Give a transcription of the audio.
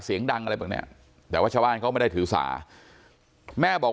เสียงดังอะไรแบบเนี้ยแต่ว่าชาวบ้านเขาไม่ได้ถือสาแม่บอก